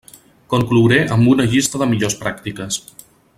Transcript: Conclouré amb una llista de millors pràctiques.